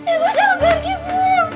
ibu jangan pergi bu